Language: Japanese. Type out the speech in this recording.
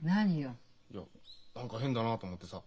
いや何か変だなあと思ってさ。